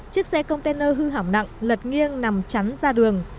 chiếc xe container hư hỏng nặng lật nghiêng nằm chắn ra đường